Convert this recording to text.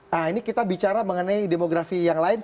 nah ini kita bicara mengenai demografi yang lain